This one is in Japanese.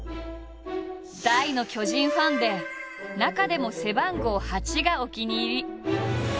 大の巨人ファンで中でも背番号「８」がお気に入り。